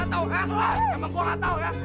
emang gua gak tau ya